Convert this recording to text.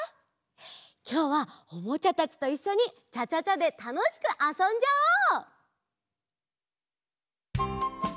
きょうはおもちゃたちといっしょにチャチャチャでたのしくあそんじゃおう！